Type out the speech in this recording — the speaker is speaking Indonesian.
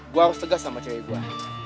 gue harus tegas sama cewek gue